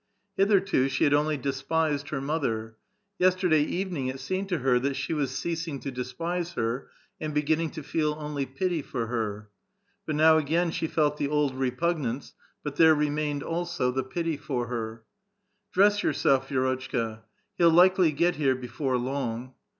Hitherto she had only despised her mother ; yesterday evening it seemed to her that she was ceasing to despise her and beginning to feel only pity for her. But now again she felt the old repugnance, but there remained also the pity for her. " Dress yourself, Vi^rotchka. He'll likely get here be fore long."